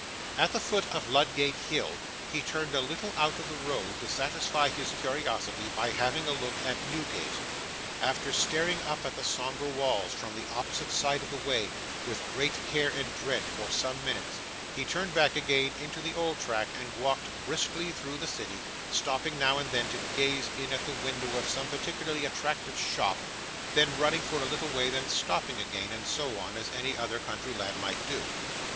At the foot of Ludgate Hill, he turned a little out of the road to satisfy his curiosity by having a look at Newgate. After staring up at the sombre walls, from the opposite side of the way, with great care and dread for some minutes, he turned back again into the old track, and walked briskly through the city; stopping now and then to gaze in at the window of some particularly attractive shop, then running for a little way, then stopping again, and so on, as any other country lad might do.